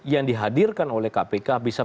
yang dihadirkan oleh kpk bisa